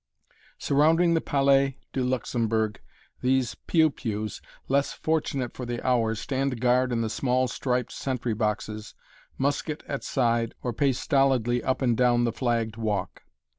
Surrounding the Palais du Luxembourg, these "piou pious," less fortunate for the hour, stand guard in the small striped sentry boxes, musket at side, or pace stolidly up and down the flagged walk.